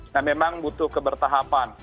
nah memang butuh kebertahapan